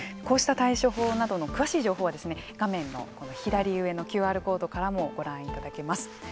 こうした対処法などの詳しい情報は画面の左上のＱＲコードからもご覧いただけます。